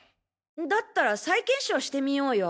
だったら再検証してみようよ。